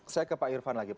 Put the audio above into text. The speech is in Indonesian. saya ke pak irvan lagi